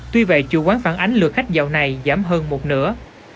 tuy vậy chủ quán phản ánh lượt khách gạo này giảm hơn một nửa